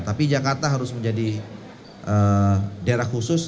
tapi jakarta harus menjadi daerah khusus